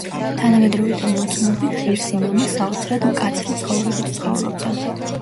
თანამედროვეთა მოწმობით, ღირსი მამა საოცრად მკაცრი ცხოვრებით ცხოვრობდა.